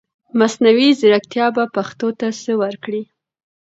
مصنوعي ځرکتيا به پښتو ته سه ورکړٸ